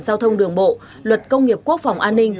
giao thông đường bộ luật công nghiệp quốc phòng an ninh